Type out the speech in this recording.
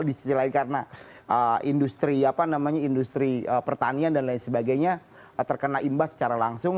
di sisi lain karena industri pertanian dan lain sebagainya terkena imbas secara langsung